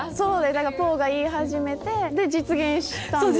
ポーが言い始めて実現したんですよ。